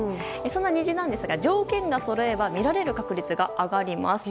虹ですが条件がそろえば見られる確率が上がります。